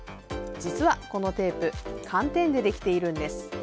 実はこのテープ寒天でできているんです。